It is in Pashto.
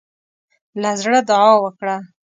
له زړۀ دعا وکړه.